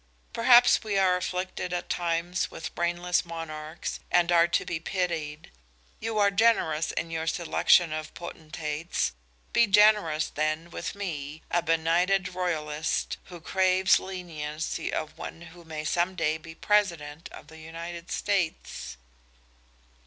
Perhaps we are afflicted at times with brainless monarchs and are to be pitied. You are generous in your selection of potentates, be generous, then, with me, a benighted royalist, who craves leniency of one who may some day be President of the United States."